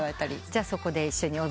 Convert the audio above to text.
じゃあそこで一緒に踊ったり？